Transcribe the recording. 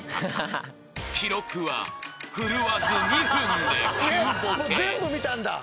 ［記録は振るわず２分で９ボケ］